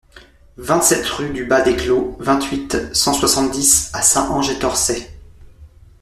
vingt-sept rue du Bas des Clos, vingt-huit, cent soixante-dix à Saint-Ange-et-Torçay